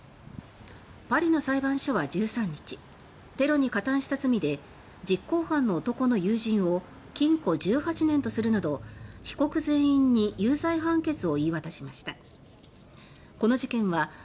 パリの裁判所は１３日テロに加担した罪で実行犯の男の友人を禁錮１８年とするなど被告全員に有罪判決を言い渡しました。